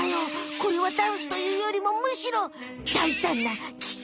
これはダンスというよりもむしろだいたんなキス。